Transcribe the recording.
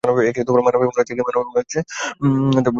একে মানাবে মনে হচ্ছে।